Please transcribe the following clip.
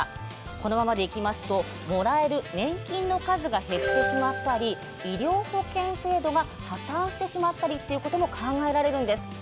このままでいきますともらえる年金の数が減ってしまったり医療保険制度が破綻してしまったりっていうことも考えられるんです。